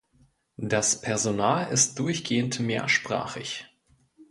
Das Personal ist durchgehend mehrsprachig.